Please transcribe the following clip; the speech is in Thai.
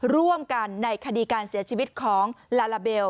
ร่วมกันในคดีการเสียชีวิตของลาลาเบล